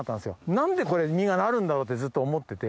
何でこれ実がなるんだろうってずっと思ってて。